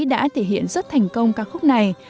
đã thể hiện rất thành công ca khúc này